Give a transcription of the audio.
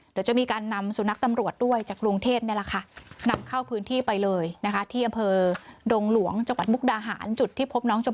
เดี๋ยวจะมีการนำสูณักตำรวจด้วยจากกรุงเทพ